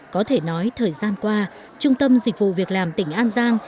có thể nói thời gian qua trung tâm dịch vụ việc làm tỉnh an giang